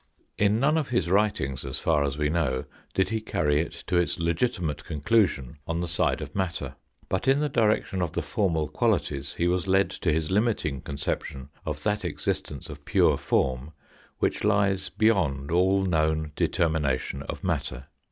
In none of his writings, as far as we know, did he carry it to its legitimate conclusion on the side of matter, but in the direction of the formal qualities he was led to his limiting conception of that existence of pure form which lies beyond all known determination of matter.